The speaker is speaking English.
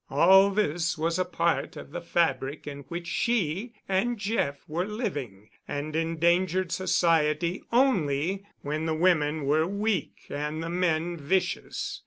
All this was a part of the fabric in which she and Jeff were living and endangered society only when the women were weak and the men vicious.